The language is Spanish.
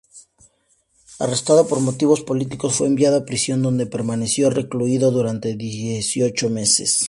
Arrestado por motivos políticos, fue enviado a prisión, donde permaneció recluido durante dieciocho meses.